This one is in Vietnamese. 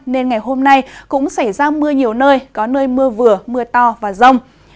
nên ngày hôm nay cũng xảy ra mưa nhiều nơi có nơi mưa vừa mưa to và rông